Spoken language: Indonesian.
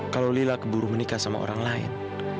kalau lila keburu menikah sama orang lain